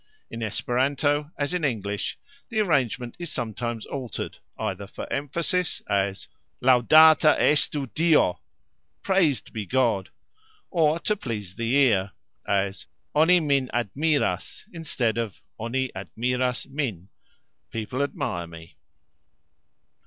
In Esperanto, as in English, the arrangement is sometimes altered, either for emphasis, as "Lauxdata estu Dio!" Praised be God!; or to please the ear, as "Oni min admiras", instead of "Oni admiras min", People admire me.